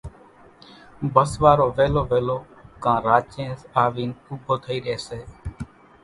ڀس وارو وِيلو وِيلو ڪان راچينز آوينَ اُوڀو ٿئِي ريئيَ سي۔